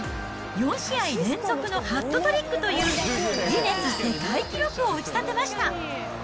４試合連続のハットトリックというギネス世界記録を打ち立てました。